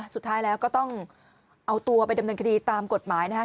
สุดท้ายแล้วก็ต้องเอาตัวไปดำเนินคดีตามกฎหมายนะคะ